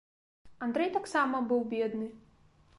Андрэй таксама быў бедны.